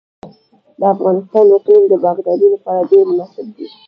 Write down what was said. د افغانستان اقلیم د باغدارۍ لپاره ډیر مناسب دی.